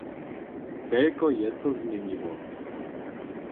Telko je so změniło.